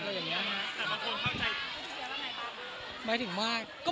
แต่บางคนเข้าใจไม่ถึงเยอะแล้วไหมครับ